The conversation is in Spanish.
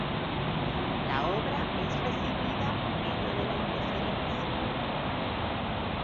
La obra es recibida en medio de la indiferencia.